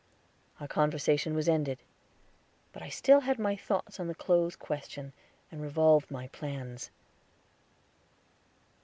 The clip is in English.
Our conversation was ended; but I still had my thoughts on the clothes question, and revolved my plans.